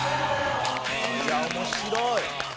いや面白い！